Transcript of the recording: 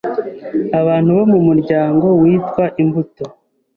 abantu bo mu Muryango witwa imbuto